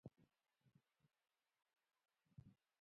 هدیره له خلکو ډکه وه.